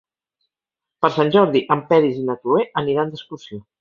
Per Sant Jordi en Peris i na Cloè aniran d'excursió.